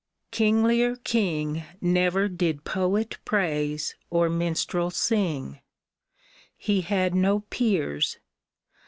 Kinglier king Never did poet praise or minstrel sing ! He had no peers.